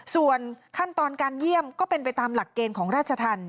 ส่วนขั้นตอนการเยี่ยมก็เป็นไปตามหลักเกณฑ์ของราชธรรม